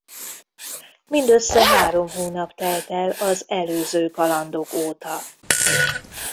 Mindössze három hónap telt el az előző kalandok óta.